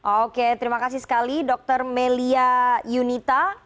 oke terima kasih sekali dr melia yunita